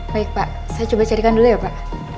baik pak saya coba carikan dulu ya pak